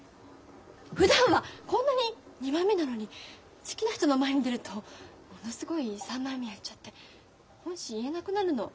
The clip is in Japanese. ふだんはこんなに二枚目なのに好きな人の前に出るとものすごい三枚目やっちゃって本心言えなくなるの。